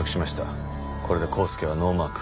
これで光輔はノーマーク。